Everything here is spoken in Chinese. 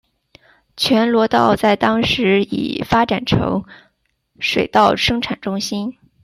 全罗道在当时已发展成水稻生产中心。